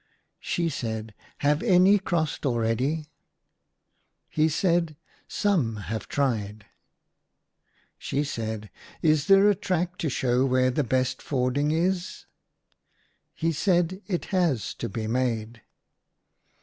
She said, "Have'any crossed already?" He said, " Some have tried !" She said, " Is there a track to show where the best fording is ?" He said, It has to be made."